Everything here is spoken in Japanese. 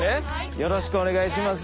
よろしくお願いします。